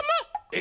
え？